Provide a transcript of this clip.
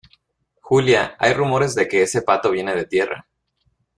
Julia, hay rumores de que ese pato viene de tierra